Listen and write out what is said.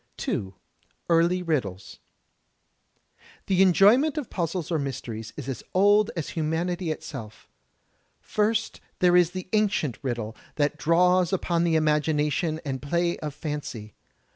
2, Early Riddles The enjoyment of puzzles or mysteries is as old as hiunanity itself. First there is the ancient Riddle, that draws upon the imagination and play of fancy.